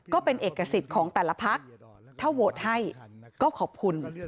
ก็เป็นเอกสิทธิ์ของแต่ละพักถ้าโหวตให้ก็ขอบคุณ